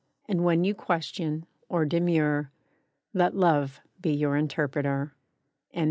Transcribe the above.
And when you question, or demur, Let Love be your Interpreter. "Credulity."